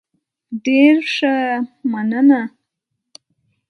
ډیر ښه، مننه.